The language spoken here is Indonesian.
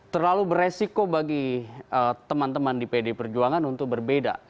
terlalu beresiko bagi teman teman di pd perjuangan untuk berbeda